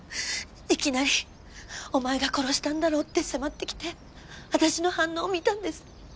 いきなり「お前が殺したんだろう」って迫ってきて私の反応を見たんです